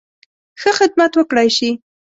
ښه خدمت وکړای شي.